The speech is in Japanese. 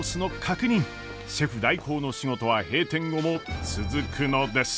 シェフ代行の仕事は閉店後も続くのです。